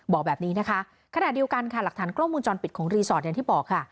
บอกแบบนี้นะคะขณะเดียวกันค่ะหลักฐานกล้องมูลจรปิดของรีสอร์ทอย่างที่บอกค่ะ